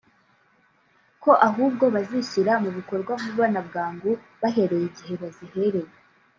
ko ahubwo bazishyira mu bikorwa vuba na bwangu bahereye igihe baziherewe